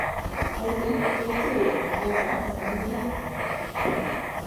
Aurten, zortzi euro merkeagoak izango dira bonuak.